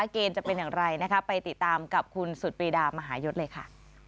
เกณฑ์จะเป็นอย่างไรนะคะไปติดตามกับคุณสุดปรีดามหายศเลยค่ะ